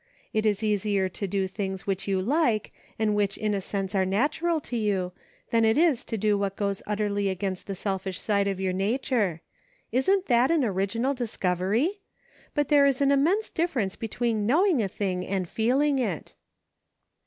It is easier to do things which you like, and which in a sense are natural to you, than it is to do what goes utterly against the selfish side of your nature. Isn't that an original discovery } But there is an immense difference between knowing a thing and feeling it."